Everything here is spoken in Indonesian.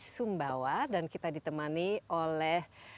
sumbawa dan kita ditemani oleh